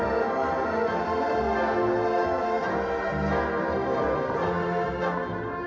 สวัสดีครับ